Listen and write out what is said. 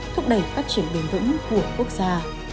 thúc đẩy phát triển bền vững của quốc gia